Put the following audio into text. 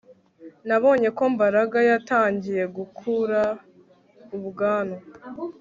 Nabonye ko Mbaraga yatangiye gukura ubwanwa